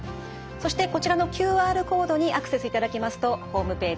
そしてこちらのＱＲコードにアクセスいただきますとホームページ